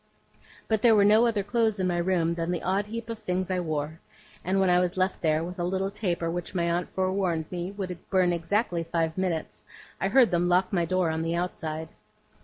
But there were no other clothes in my room than the odd heap of things I wore; and when I was left there, with a little taper which my aunt forewarned me would burn exactly five minutes, I heard them lock my door on the outside.